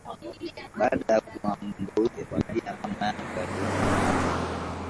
baada ya kuambia mama yangu aliona kwamba